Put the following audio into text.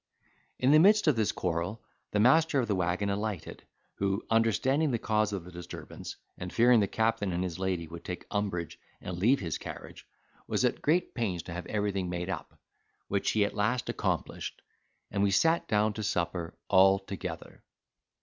In the midst of this quarrel the master of the waggon alighted, who, understanding the cause of the disturbance, and fearing the captain and his lady would take umbrage and leave his carriage, was at great pains to have everything made up, which he at last accomplished, and we sat down to supper altogether.